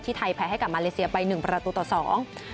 ไทยแพ้ให้กับมาเลเซียไปหนึ่งประตูต่อสอง